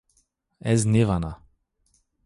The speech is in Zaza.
ez nêvana.